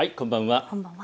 こんばんは。